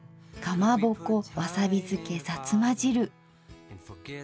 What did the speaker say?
かまぼこわさびづけさつま汁。